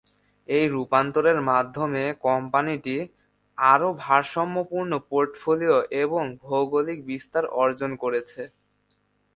এই রূপান্তরের মাধ্যমে কোম্পানিটি আরও ভারসাম্যপূর্ণ পোর্টফোলিও এবং ভৌগোলিক বিস্তার অর্জন করেছে।